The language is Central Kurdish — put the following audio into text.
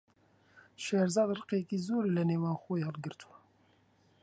شێرزاد ڕقێکی زۆری لەنێو خۆی هەڵگرتووە.